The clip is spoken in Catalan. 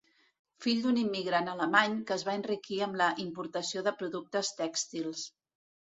Fill d'un immigrant alemany que es va enriquir amb la importació de productes tèxtils.